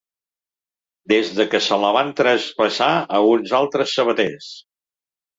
Des que se la van traspassar a uns altres sabaters.